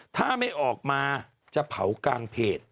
ถ้าไม่ออกมาจะเผากลางเพจ